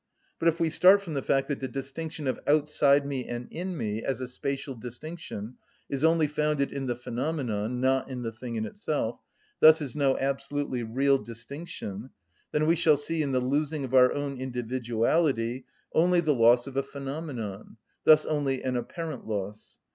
But if we start from the fact that the distinction of outside me and in me, as a spatial distinction, is only founded in the phenomenon, not in the thing in itself, thus is no absolutely real distinction, then we shall see in the losing of our own individuality only the loss of a phenomenon, thus only an apparent loss.